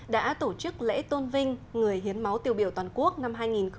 đã tổ chức lễ tôn vinh người hiến máu tiêu biểu toàn quốc năm hai nghìn một mươi chín